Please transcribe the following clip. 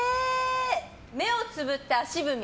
目をつぶって足踏み。